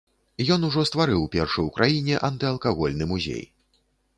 Ён ужо стварыў першы ў краіне антыалкагольны музей.